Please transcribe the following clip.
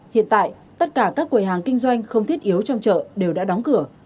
hiện tại tất cả các quầy hàng kinh doanh không thiết yếu trong chợ đều đã đóng cửa